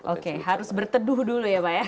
oke harus berteduh dulu ya pak ya